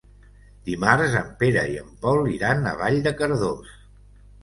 Dimarts en Pere i en Pol iran a Vall de Cardós.